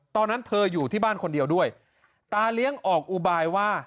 ตอนนั้นเธออยู่ที่บ้านคนเดียวด้วยตาเลี้ยงออกอุบายว่า